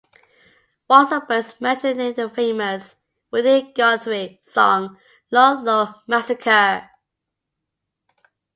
Walsenburg is mentioned in the famous Woody Guthrie song, "Ludlow Massacre".